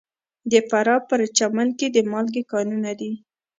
د فراه په پرچمن کې د مالګې کانونه دي.